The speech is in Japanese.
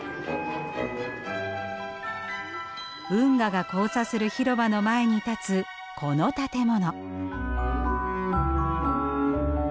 運河が交差する広場の前に立つこの建物。